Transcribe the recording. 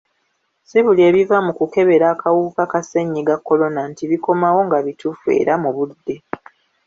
Si buli ebiva mu kukebera akawuka ka ssennyiga kolona nti bikomawo nga bituufu era mu budde.